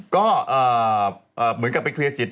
ก็เหมือนกับไปเคลียร์จิต